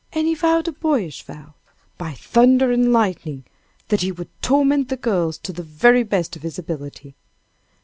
And he vowed a boyish vow "by thunder and lightning" that he would torment the girls to the very best of his ability.